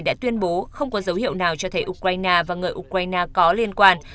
đã tuyên bố không có dấu hiệu nào cho thấy ukraine và người ukraine có liên quan